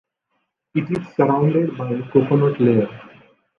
It is surrounded by a coconut layer.